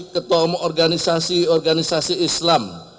ketua umum organisasi organisasi islam